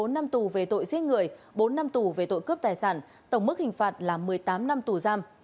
bốn năm tù về tội giết người bốn năm tù về tội cướp tài sản tổng mức hình phạt là một mươi tám năm tù giam